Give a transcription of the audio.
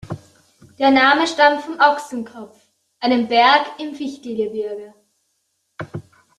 Der Name stammt vom Ochsenkopf, einem Berg im Fichtelgebirge.